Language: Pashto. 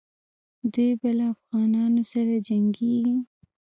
دی به له افغانانو سره جنګیږي.